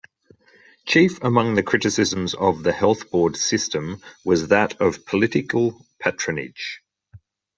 Chief among the criticisms of the health board system was that of political patronage.